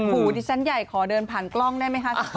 หูดิฉันใหญ่ขอเดินผ่านกล้องได้ไหมคะ